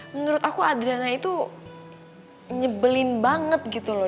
menurut aku adriana itu nyebelin banget gitu loh